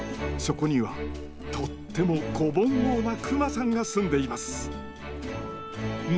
そこにはとっても子ぼんのうなクマさんが住んでいます。